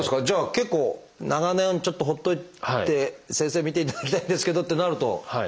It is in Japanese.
じゃあ結構長年ちょっと放っといて「先生診ていただきたいんですけど」ってなると。